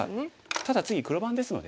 ただ次黒番ですのでね。